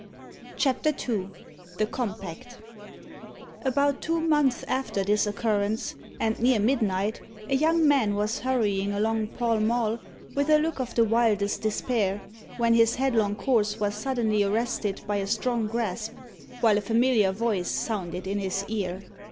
CHAPTER II THE COMPACT About two months after this occurrence, and near midnight, a young man was hurrying along Pall Mall, with a look of the wildest despair, when his headlong course was suddenly arrested by a strong grasp, while a familiar voice sounded in his ear.